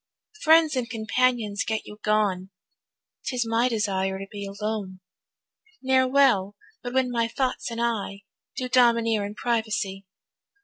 Friends and companions get you gone, 'Tis my desire to be alone; Ne'er well but when my thoughts and I Do domineer in privacy.